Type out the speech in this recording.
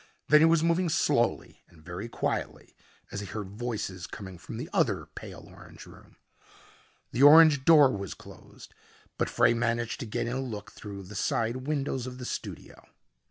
Then he was moving slowly and very quietly as he heard voices coming from the other pale orange room. The orange door was closed but Frey managed to get in a look through the side windows of the studio.